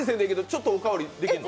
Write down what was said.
ちょっとお代わりできるの？